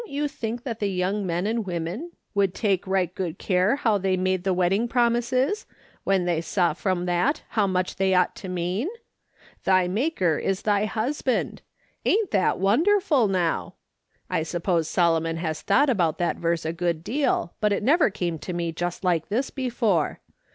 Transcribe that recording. u think that the young men and women would take right good care how they made the wedding promises, when they saw from that how much they ought to mean ?' Thy Maker is thy husband!' ain't that wonderful, now! I suppose Solomon has thought about that verse a good deal, but it never came to me just like this before.